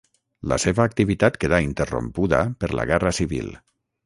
La seva activitat quedà interrompuda per la Guerra Civil.